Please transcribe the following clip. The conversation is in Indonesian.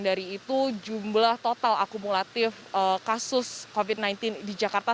dari itu jumlah total akumulatif kasus covid sembilan belas di jakarta